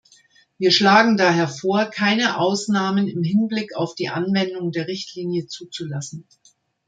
Wir schlagen daher vor, keine Ausnahmen im Hinblick auf die Anwendung der Richtlinie zuzulassen.